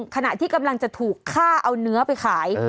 ขณะที่กำลังจะถูกฆ่าเอาเนื้อไปขาย